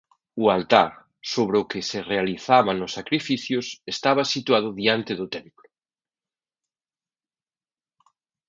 O altar sobre o que se realizaban os sacrificios estaba situado diante do templo.